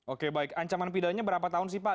oke baik ancaman pidananya berapa tahun sih pak